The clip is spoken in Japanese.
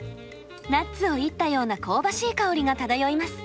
ナッツをいったような香ばしい香りが漂います。